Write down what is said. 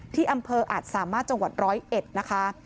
ที่อำเภออาจสามารถจังหวัดร้อยเอ็ดนะคะ